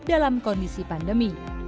dalam kondisi pandemi